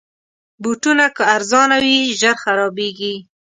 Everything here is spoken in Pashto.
بوټونه که ارزانه وي، ژر خرابیږي.